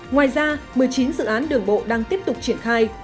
ngoài ra một mươi chín dự án đường bộ đang tiếp tục triển khai